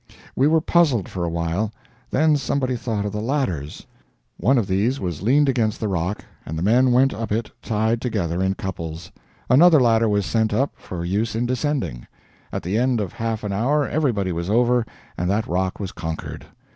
We were puzzled for a while; then somebody thought of the ladders. One of these was leaned against the rock, and the men went up it tied together in couples. Another ladder was sent up for use in descending. At the end of half an hour everybody was over, and that rock was conquered.